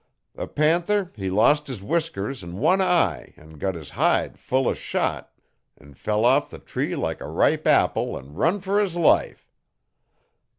The panther he lost his whiskers 'n one eye 'n got his hide fill' o' shot 'n fell off the tree like a ripe apple 'n run fer his life.